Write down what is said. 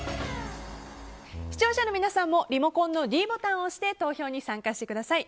視聴者の皆さんもリモコンのｄボタンを押して投票に参加してください。